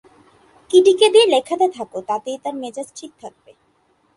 কিডিকে দিয়ে লেখাতে থাকো, তাতেই তার মেজাজ ঠিক থাকবে।